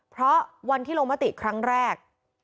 เพราะวันที่ลงมติครั้งแรก